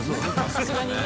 さすがにね。